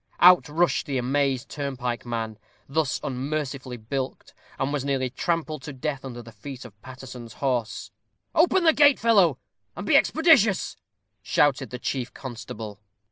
Out rushed the amazed turnpike man, thus unmercifully bilked, and was nearly trampled to death under the feet of Paterson's horse. "Open the gate, fellow, and be expeditious," shouted the chief constable.